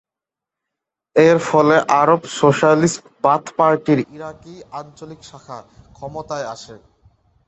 এর ফলে আরব সোশ্যালিস্ট বাথ পার্টির ইরাকি আঞ্চলিক শাখা ক্ষমতায় আসে।